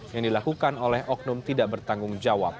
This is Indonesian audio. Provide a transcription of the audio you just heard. yang dilakukan oleh oknum tidak bertanggung jawab